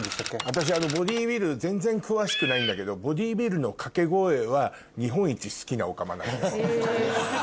私ボディビル全然詳しくないんだけどボディビルの掛け声は日本一好きなオカマなのよ。